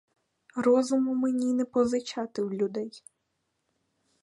Розуму мені не позичати в людей.